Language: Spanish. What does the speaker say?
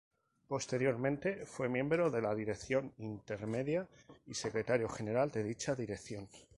Posteriormente fue miembro de la Dirección Intermedia y Secretario General de dicha dirección.